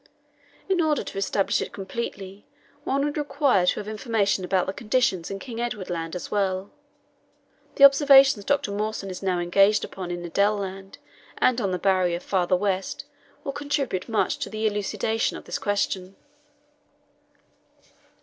In order to establish it completely one would require to have information about the conditions in King Edward Land as well. The observations Dr. Mawson is now engaged upon in Adélie Land and on the Barrier farther west will contribute much to the elucidation of this question.